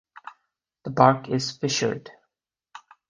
The bark is fissured.